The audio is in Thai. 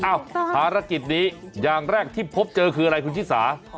ภารกิจนี้อย่างแรกที่พบเจอคืออะไรคุณชิสา